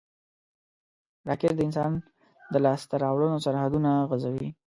راکټ د انسان د لاسته راوړنو سرحدونه غځوي